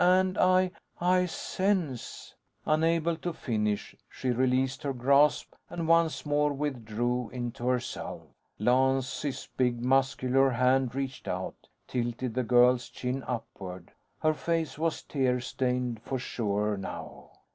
And I ... I sense " Unable to finish, she released her grasp and once more withdrew into herself. Lance's big muscular hand reached out, tilted the girl's chin upward. Her face was tear stained for sure, now.